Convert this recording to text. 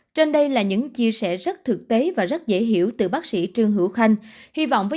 trên đây là những chia sẻ rất thực tế và rất dễ hiểu từ bác sĩ trương hữu khanh hy vọng với